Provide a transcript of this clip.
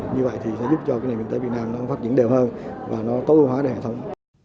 như vậy thì sẽ giúp cho cái nền kinh tế việt nam nó phát triển đều hơn và nó tối ưu hóa được hệ thống